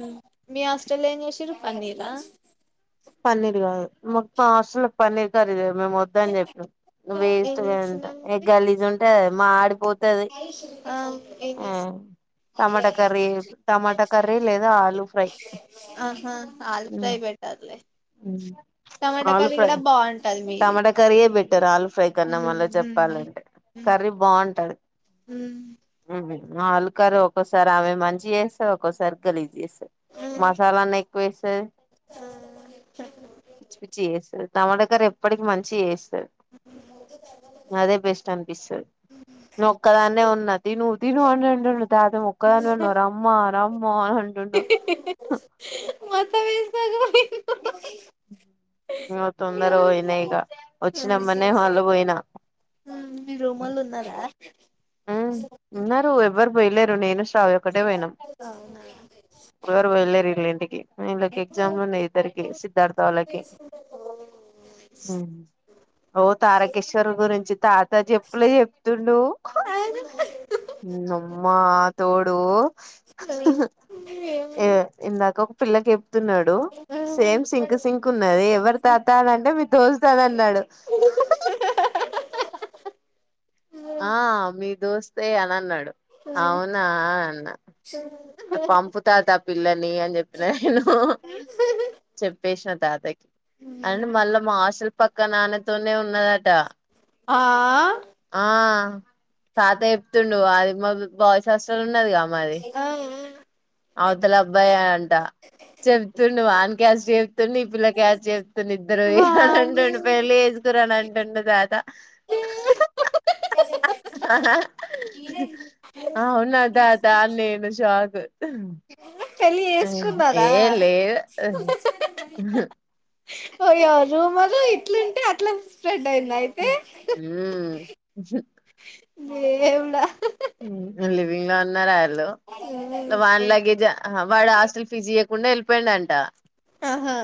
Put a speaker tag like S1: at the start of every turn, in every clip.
S1: హ మీ ఆస్ట్రేలియా షరుూపన్నిరా
S2: పన్నీర్ కాదు మాకు మ హాస్టల్ లో పన్నీర్ కారి లేవు మేము వద్ద అని చెప్పాం
S1: ఏం
S2: వేస్ట్ అది అంత
S1: చేస్తున్నారండి
S2: గలీజ్ ఉంటది మా ఆడిపోతుంది
S1: ఆ ఏం చేసి
S2: టమాటా కర్రీ టమాటా కర్రీ లేదా ఆలుూ ఫ్రై ఆలు
S1: టమాటాకార్రి
S2: ఫ్రై
S1: కూడా బాగుంటది మీది
S2: టమాటా కర్రీయే బెట్టారు ఆలు ఫ్రై కన్నా మళ్ళ చెప్పాలంటే కర్రీ బాగుంటది
S1: అ
S2: ఆ ఆలు కార్రి ఒక్కోసారి ఆమె మంచిగా చేస్తాది ఒక్కోసారి గలీజ్ చేస్తాది మసాలాన్న ఎక్ వేస్తది
S1: ఆ
S2: పిచ్చి పిచ్చి చేస్తది తమడగారు ఎప్పటికి మంచి చే అదే బెస్ట్ అనిపిస్తుంది నువ్ ఒక్కదాన్న ఉన్నా తీ ను్వు తీను వంండి దాద ఒక్కదాన్న ఉన్నారు అమ్మ అ మోన్ ఉంటండ
S1: మత వేజ
S2: తొందర పోయినా ఇక వచ్చినమ్మనే వాళ్ళు పోయినా
S1: మీరు రూమ్ళు ఉన్నారా
S2: ఉన్నరు ఎవరు పోలేరు నేను్రా ఒకక్కటే పోయినాం
S1: అవునా
S2: ఇరు వెళ్లేరు ఇల్ళ ఇంటికి ఇళ్ళకి ఎగ్జామ్లు ఉన్నాయి ఇద్దరికి సిద్ధార్థ వాళ్ళకి ఓ తారకేశ్వర్ గురించి తాత చెప్పులే చెప్తుండ అమ్మా తోడు ఏ
S1: ఏం
S2: ఇందాక పిల్లకి తున్నాడు సేమ్ సింకు సింక్ ఉన్నది ఎవరి తాతాలంటే మీ దోస్తనన్నాడు ఆ మీ దోస్తే అ డు అవునా అన్నా పంపు తాత పిల్లని అని చెప్పిన నేను చెప్పేసిన తాతకి అంటే మళ్ళా మా ఆశలు పక్క నాన్నతోనే ఉన్నదట
S1: ఆ
S2: ఆ తాత చెప్తుండు అది మా బాయ్స్ హాస్టల్ ఉన్నదిగా మాది
S1: ఆ,
S2: అవతల అబ్బాయే అంట చెప్తుండు క్యాస్ట్ చెప్తుండు ఈ పిల్ల క్యాస్ట్ జెప్తు ఇద్దరు అని
S1: వామ్మో
S2: అంటుండు పెళ్లిి చేసుకురని అంటుండు తాత అహ్ అ అ ఆ అవునా తాత నేను షాక్ ఇమ్
S1: పెళ్లి వేసుకున్నారా అయ్యారూ మరు ఇట్లుంటే అట్ల
S2: ఉమ్
S1: దేవుడా
S2: వీళ్ళ అన్నారా హలో వాన్ లగేజ అహ వాడ ఆస్టల్ ఫిజ ముందే ఎళ్ళిపోయిండ అంట
S1: ఆహా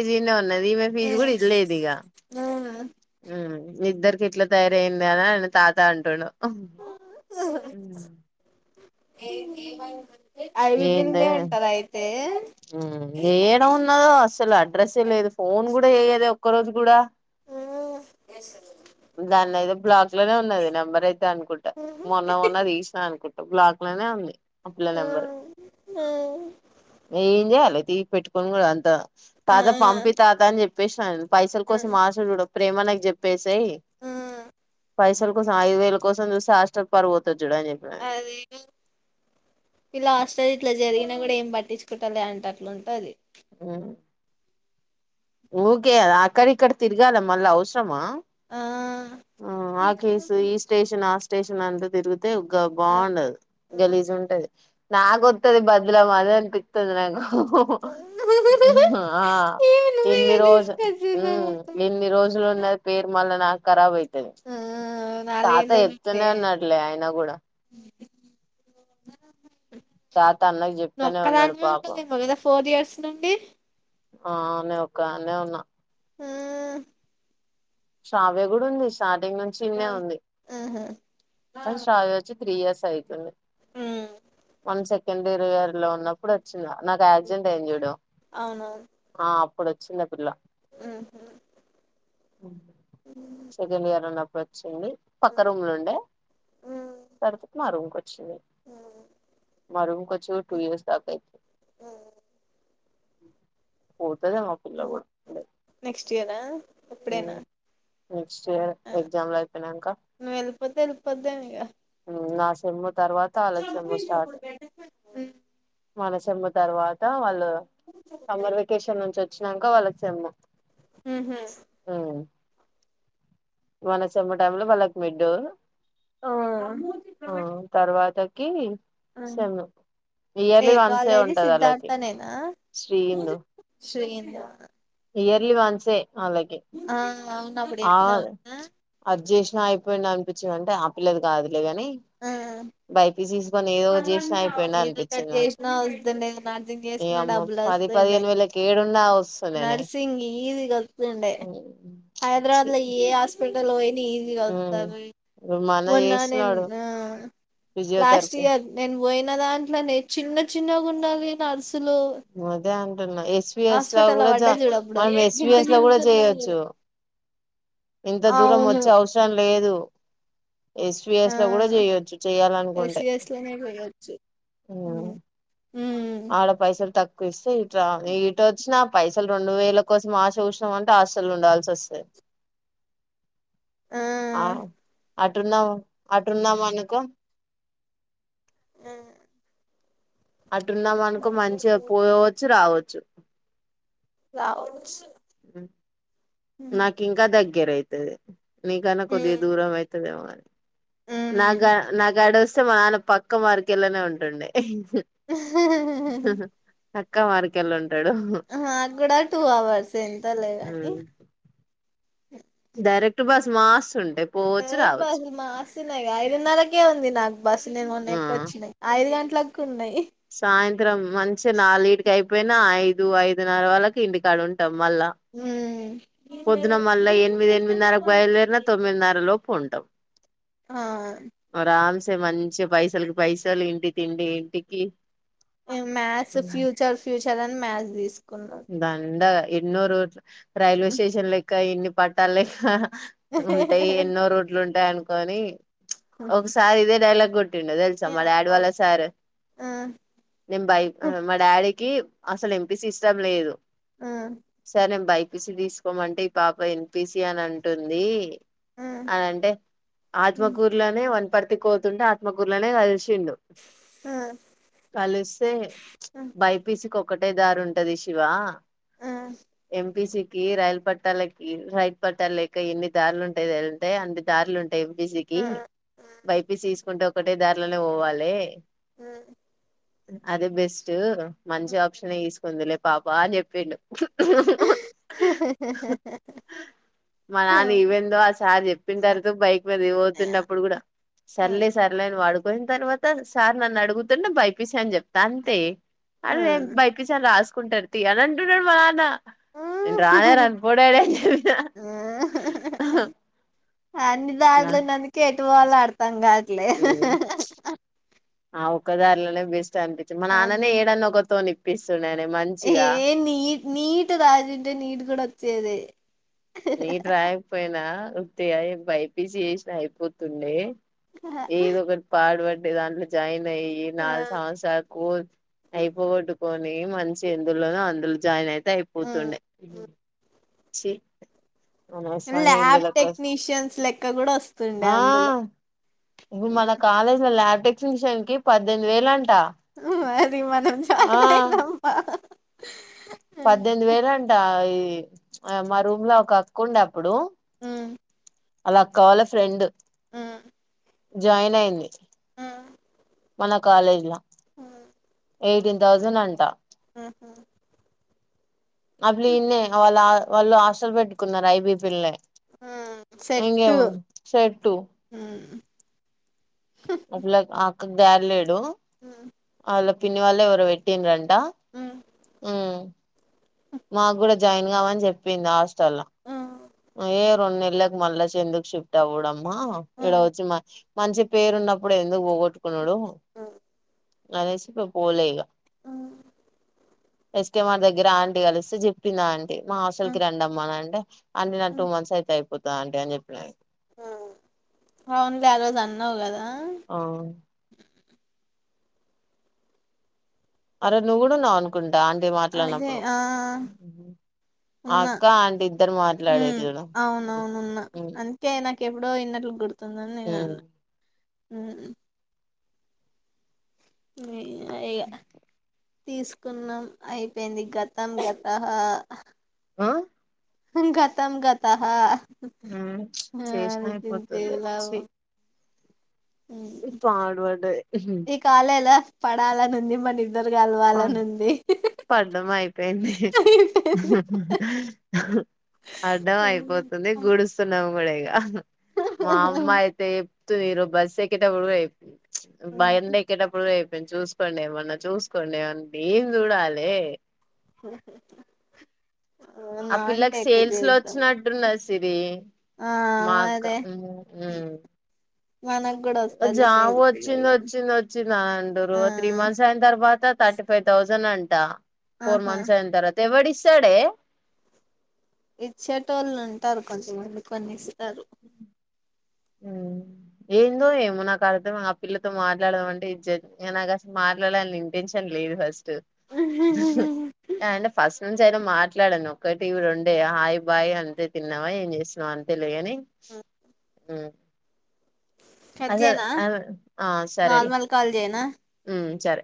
S2: ఈజీనే న్నది ఈమె
S1: ఆ.
S2: ఫీజు కూడా ఇదిలేదు ఇగ మీ ఇద్దరికి ఎట్లా తయారయిందని అని తాత అంటుండు ఒహ్ ఉమ్
S1: ఏ ఏమైంది ఐబీ
S2: ఏందే
S1: పిందే ఉంటాదా అయితే
S2: ఏడ ఉన్నదో అసలు అడ్రస్ ఏ లేదు ఫోన్ కూడా చెయ్యదు ఒక్కరోజు కూడా
S1: ఆ
S2: దాన్నయితే బ్లాక్ లోనే ఉన్నది నెంబర్ అయితే అనుకుంటా మొన్న మొన్న తీసినా అనుకుంటా బ్లాక్ లోనే ఉంది ఆ పిల్ల నంబరు
S1: ఆ.
S2: ఏం చేయాలితీ పెట్టుకోని కూడా అంత తాత
S1: ఆ.
S2: పంపీ తాత అని చెప్ప పేషాను పైసల కోసం
S1: అది
S2: మాషడుడు ప్రేమ నాకు చెప్పేసెయ్ పైసల కోసం ఐదు వేల కోసం చూస్తే హాస్టల్ పరువోతు
S1: అది పి లాస్ట్ ఇట్లా జరిగినా కూడా ఏం పట్టించుకుంటాలే అంట అట్లుంటది
S2: ఉం ఊకే అద అక్కడ ఇక్కడ తిరగాల మళ్ళ అవసరమా
S1: ఆ
S2: ఆ ఆ కేేసు ఈ స్టేషన్ ఆస్ స్టేషన్ అంటూ తిరుగు తె ఒక
S1: ఆ
S2: బాగుండదు గలీజు ఉంటది నా గొత్తది బద్ల మద అని పిత్తది నాకు ఆ
S1: ఏమి నువ్వే
S2: ఎన్ని
S1: కదా
S2: రోజు
S1: తీసుకొచ్చింది
S2: ఉం
S1: నాకు.
S2: ఎన్ని రోజులు ఉన్నా పేరు మళ్ళా నాకు కరావై తది
S1: ఆ నాలుగేళ్ళ నుండే
S2: చెప్తూనే అన్నట్లే అయన కూడా తాత అన్నకి
S1: నువ్వు
S2: చెప్తూనే ఉన్నాడు
S1: ఒక్కదానివే
S2: పాపం
S1: ఉన్నావేమో కదా ఫోర్ ఇయర్స్ నుండి
S2: ఆ న ఒకా దానే ఉన్నా
S1: ఆ
S2: శ్రవ్య కూడా ఉంది స్టా టింగ్ నుంచి ఉంది
S1: ఆహా
S2: శ్రావ్య వచ్చి త్రీయర్స్ అయితుంది
S1: ఉమ్
S2: వంస సెకండర్ ఇయర్ లో ఉన్నప్పుడు వచ్చిందా నాకు ఆర్జెంట్ ఏం చూడు
S1: అవునవును
S2: ఇప్పుడ వచ్చిన పిల్ల
S1: ఆహా
S2: సెకండ్ ఇయర్ అన్నప్పు వచ్చింది పక్క రూమ్ లో ఉండే
S1: ఉమ్, ఉమ్,
S2: తర్వాత మా రూమ్కి వచ్చింది
S1: ఉమ్,
S2: మా రూమ్కి వచ్చి టూ ఇయర్స్ దాకా అయితే ఓ తదే నోకులో
S1: నా
S2: నెక్స్ట్ ఇయర్ ఎగ్జామ్ లో అయిపోయినాంక
S1: నువ్వు వెళ్ళిపోతే వెళ్ళిపోద్దేమో ఇగ
S2: నాశ మ తర్వాత వాళ్లకి సేమ్ స్టార్ట్ మనసమ్మ తర్వాత వాళ్ళు సమ్మర్ వెకషన్ ఉంచిది వచ్చినాక వాళ్ళకి సెమ్ము
S1: ఊహూ
S2: మన చెమ టైమ్లు వాళ్లకి మిడ్డు ఆ తర్వాత కి సేమ్
S1: ఏ
S2: ఇయర్లీ వన్సే
S1: కాలేజీ
S2: ఉంటది అలాకి
S1: సిద్ధార్థ
S2: శ్రీ ఇందు
S1: శ్రీ ఇందు
S2: ఇయర్లీ వన్సే ఆళ్లకి
S1: ఆ అవును అప్పుడు ఎప్పు
S2: చేసినా అయిపోయింది అనిపించింది అంటే ఆ పల్లది కాదు చగా న బైపిసి
S1: ఏద కట్ చేసినా వస్తుండడి నర్సింగ్
S2: ఈ
S1: చేసుకున్నా
S2: అమ్మ
S1: డబ్బులు
S2: పది పదిహేను
S1: వస్తుండడి
S2: వేలకి ఏడున్నా వస్తున్నానే
S1: నర్సింగ్ ఈజీ వస్తుండే
S2: ఛీ
S1: హైదరాబాద్ లో ఏం హా ప్పడ లో ఈజి వాయి
S2: ఇప్పుడు మా అన్న
S1: మొన్న
S2: చేస్తున్నాడు
S1: న లాస్ట్
S2: ఫిజియోథెరపీ
S1: నన్ వైన్ దాంట్లోనే చిన్న చిన్నగా ఉండాలి నడుస్
S2: అదే అంటున్నా ఎస్ వి ఎస్ లో
S1: హాస్పిటల్
S2: కూడా
S1: పడ్డ
S2: జా
S1: చూడు అప్పుడు
S2: మనం ఎస్ వి
S1: గింత
S2: ఎస్ లో
S1: గింత
S2: కూడా
S1: ఉన్నారు
S2: చేయొచ్చు. ఇంత దూరం
S1: అవును
S2: వచ్చే అవసరం లేదు ఎస్ వి
S1: ఆ
S2: ఎస్ లో కూడా చేయొచ్చు, చెయ్యాలనుకుంటే
S1: ఎస్సి ఎస్టీ లోనే పోయొచ్చు ఉమ్ ఉమ్.
S2: స [inaudible] ట ఇట్ వచ్చి నాప్ పైసలు రెండు వేల కోసం ఆశ చూసినాం అంటే, హాస్టల్ లో ఉండాల్సి వస్తాది. ఆ అటున్న అటున్నమనుకో
S1: ఆ
S2: అటున్నామనుకో మంచిగా పోయవచ్చు రావచ్చు చెప్పు
S1: రావొచ్చు [inaudible]
S2: నాకు ఇంకా దగ్గర అయి తది నీ కన్నా కొద్దిగా దూరం అయి తదేమో అని
S1: ఉమ్
S2: నాగా నాగడుస్ ఆయన పక్క మార్కెలానే ఉంటుండె చక్క మార్కెల్ ఉన్
S1: మా కూడా టూ అవర్స్ ఎ ఉండలేవని [unintelligible]
S2: డైరెక్ట్ బస్ మాస్తుం
S1: డైరెక్ట్ బస్సులు మాస్తున్నాయి కదా ఐదున్నరకే ఉంది. నాకు బస్సులు నేను మొన్న ఎక్కువ
S2: ఆ
S1: వచ్చినయి ఐదు గంట ప్లగ్ ఉన్నాయి
S2: సాయంత్రం మంచిగా నల్గిటికి అయి పోయినా ఐదు ఐదున్నర వరకు ఇంటికాడ ఉంటాం మళ్ళా
S1: హుమ్
S2: పొద్దున మళ్ళ ఎనిమిది ఎనిమిదిన్నరకు బయలుదేరిన తొమ్మిదిన్నర లోపు ఉంటాం
S1: ఆ
S2: టె మంచి పైసలకి పైసలు ఇంటి తిండి ఇంటికి
S1: మేం మ్యాథ్స్, ఫ్యూచర్ ఫ్యూచర్ అని మ్యాథ్స్ తీసుకు
S2: దండ ఎన్నోరు రైల్వే స్టేషన్ లో క ఇన్ని పట్టాలే ఉంటాయి ఎన్నో రోడ్లు ఉంటాయి అనుకని ఒకసారి ఇదే డైలాగ్ కూడా టిండది తెల్సా మ ఆడవల సారు నింబాయి మ ఆడి అసలు ఎంపీసి ఇష్టం లేదు సరే అ బాయి పిసి తీసుకోమంటే ఈ పాప ఎన్పిసి అని అంటుంది అనంటే ఆత్మకూర్లోనే వన్ పర్తి పోతుంటే ఆత్మగురులనే కలిస్తే బై పసి ఒకటే దారు ఉంటడి సద శివ ఎంపీ సి రైలు పట్టాలకి రైట్ పట్టాల ెక ఎన్ని దారులు ఉంటాది ఏదంటే అన్ని దారులు ఉంటా పిసికి వైపీసి ంటే ఒకటే దధారిలోనే పోవాలి
S1: ఆ
S2: అదే బెస్ట్ మంచి ఆప్షన్స్ ముందులే పాపా అని చెప్పిండు మా నాన్న ఇ్వందో ఆ సార్ చెప్పిన తర్వాత బైక్ మీద ఇతున్నప్పుడు కూడా సర్లే సర్లేని వాడుకో పోయిన తర్వాత సార్ నన్ను అడుగుతునేే భైపిసా అని చెప్తాను అంతే అరే బైకి రాసుకుంటారు తీ అని అంటున్నాడు మాన్న రానేే రన్పోడాడా చెిన
S1: ఆ నిద అలే నంక వాళ్ళ ఆడుతాంగా ఇ
S2: హ్మ్ ఆ ఒకదారులనే బెస్ అనిప మన నాన్ననే
S1: అది
S2: ఏడన్న ఒకతోని ఇప్పిస్తుండేనే
S1: ఏ
S2: మంచిగా
S1: నీట్ నీట్ రాజుే నీట్ కూడాడ అచ్చదే
S2: నీట్ రాయకపోయినా వయ బైపీసి చేసిన అయిపోతుండే ఏదో ఒకటి ఫార్వర్డ్ మీ దాంట్లో జాయిన్ పోయి నాలుగు సంవత్సరాలు స్కూల్స్ అయిపోగొట్టుకొని మంచిగా ఇందులోనొ అందులో జాయిన్ అయి అయిపోతుండే చె
S1: ల్యాబ్ టెక్నీషియన్స్ లెక్క కూడా వస్తుండే అందులో
S2: ఇంగ మన కాలేజ్ ల్యాబ్ టెక్నీషియన్ కి పద్దెనిమిది వేలు అంట
S1: మ మనం జాయినయిందమ్మా
S2: పద్దెనిమిది వేల అంట ఆ మా రూమ్ లో ఒక అక్కు ఉండబ్ అప్పుడు వాళ్ల అక్క వాళ్ళ ఫ్రెండ్
S1: ఊ
S2: జాయిన్ అయింది మన కాలేజ్ల కా
S1: ఆ
S2: ఎయిటీన్ థౌజండ్ అంటా
S1: ఆహా
S2: అప్పులున్న వాళ్ళ వాళ్ళు ఆస్లు పెట్టుకున్నారు ఐబి పిల్లే
S1: సెట్టు
S2: ఇంగేమీ సెట్టు మల ఆ [unintelligible]
S1: అ
S2: వాళ్ల పిన్ని వాళ్ళు ఎవరు పెట్టిండ్రుం అంటా ఊ మాకు కూడా జాయిన్ కామని చెప్పింది హాస్ ఏ రెండు నెల్లకు మల్ల ఎందుకు షిఫ్ట్ అవ్వడమా ఇక్కడ వచ్చి మ మంచి పేరున్నప్పుడు ఎందుకు పోొ పోగొట్టుకునుడూ అనేసి ఇక పోలే ఇగ
S1: ఆ
S2: ఎస్కె మార్ దగ్గర ఆంటీ కలిస్తే చెప్పింది ఆ ఆం మా హాస్టల్ కి రండమ్మా అని అంటే చెప్తి అంట్ నాది టూ మంత్స్ అయితయి పోతా అంటే అని చెప్పినాను
S1: అ అవును కదా ఆరోజు అన్నవ్ గదా
S2: ఆ అరె ను కూడా ఉన్నావ్ అనుకుంట ఆంటీ
S1: అదే
S2: మాట్లాడినప్పుడు
S1: ఆ ఉన్నా
S2: అక్క ఆంటీ ఇద్దరు
S1: హ్మ్
S2: మాట్లాడేరు చూడు
S1: అవునవునున్నా అందుకే నాకు ఎప్పుడో ఇన్నట్లు గుర్తు మత్త ఉందని నేను అన్న
S2: మ్మ్
S1: అమ్ అమ్ ఇగా తీసుకున్నాం అయిపోయింది గతం గత హా
S2: ఆ
S1: గతం గత హా
S2: ఉమ్ శేషాపోతులే సీ
S1: ఉమ్ ఈ కాలలా పడాలని ఉందమ్మని
S2: అమ్ పడ్డం అయిపోయింది
S1: అయిపోయింది
S2: అడ్డం అయిపోతుంది గుడుస్తున్నాము మడేగా మా అమ్మ అయితే ఇరో బస్ ఎక్కితే భయందే కేటప్పుడు చూస్ పండి ఏమన్నా చూ కండేవన్ దేన్ చూడాలే
S1: హ
S2: ఆ పిల్లకి సేల్స్ లో వచ్చినట్టున్న సిరి
S1: ఆ
S2: మా అక్క
S1: మరే
S2: ఉమ్
S1: మనకు కూడా వస్తదిలే
S2: జాబ్ వచ్చింది
S1: సేల్స్
S2: వచ్చింది వచ్చింది అండరు త్రీ
S1: ఆ
S2: మంత్స్ అయిన తర్వాత థర్టీ ఫైవ్ థౌసండ్ జండ్ అంట ఫోర్
S1: ఆహా
S2: మంత్స్ అయింతర తె ఎవడు ఇస్తాడే
S1: ఇచ్చేటో వాళ్ళు ఉంటారు కొంచమంది కొన్ని టారు
S2: ఉమ్ ఏందో ఏమో నాకు అర్థం ఆ పిల్లతో మాట్లాడదమ అంటే ఇ నాకు అసలు మాట్లాడాలని ఇంటెన్షన్ లేదు ఫస్ట్ ఫస్ట్ నుంచి అయిన మాట్లాడాడి ఒక్కటి ఇవిడు ఉండే హాయ్ బాయ్ అంతే తిన్నావా ఏం చేసినవు అంతే లేని అ
S1: కట్
S2: అద
S1: చేయనా
S2: ఆ సరేలే
S1: నార్మల్ కాల్ చేయనా
S2: ఉ సరే